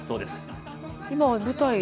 今は舞台。